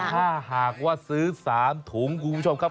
ถ้าหากว่าซื้อ๓ถุงคุณผู้ชมครับ